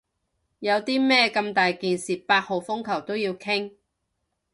有啲咩咁大件事八號風球都要傾？